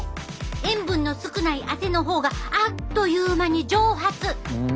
塩分の少ない汗のほうがあっという間に蒸発！